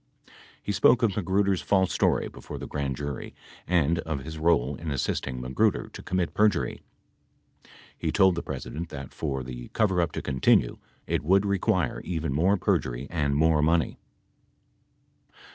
He spoke of Magruder's false story before the grand jury and of his role in assisting Magruder to commit perjury. He told the President that, for the coverup to continue, it would require even more perjury and more money.